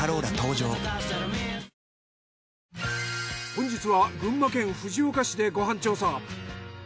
本日は群馬県藤岡市でご飯調査。